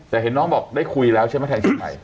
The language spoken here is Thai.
แต่เห็นน้องบอกได้คุยแล้วใช่ไหมแทนทีมไทย